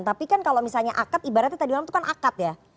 tapi kan kalau misalnya akad ibaratnya tadi malam itu kan akad ya